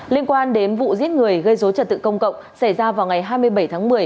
liên quan đến vụ giết người gây dối trật tự công cộng xảy ra vào ngày hai mươi bảy tháng một mươi